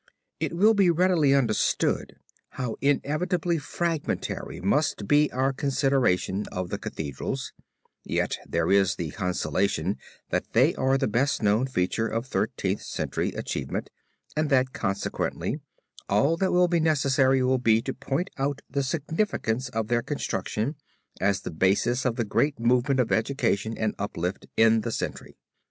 It will be readily understood, how inevitably fragmentary must be our consideration of the Cathedrals, yet there is the consolation that they are the best known feature of Thirteenth Century achievement and that consequently all that will be necessary will be to point out the significance of their construction as the basis of the great movement of education and uplift in the century.